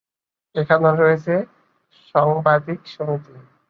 এখানে রয়েছে সাংবাদিক সমিতি।